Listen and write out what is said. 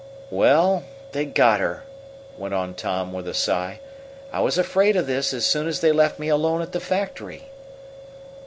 "Well, they got her," went on Tom, with a sigh. "I was afraid of this as soon as they left me alone at the factory."